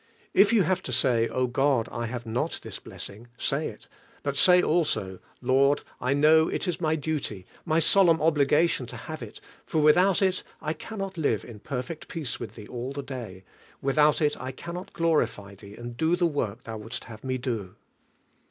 If you have to say, "Oh, God, I have not this blessing," say it; but say also, "Lord, I know it is my duty, my solemn obligation to have it, for without it I can not live in perfect peace with Thee all the day; without it I can not glorify Thee, and do the work Thou wouldst have me do."